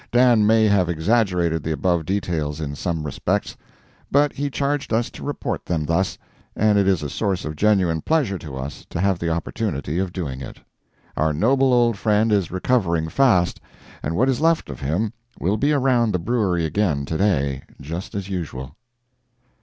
Dan may have exaggerated the above details in some respects, but he charged us to report them thus, and it is a source of genuine pleasure to us to have the opportunity of doing it. Our noble old friend is recovering fast, and what is left of him will be around the Brewery again to day, just as usual.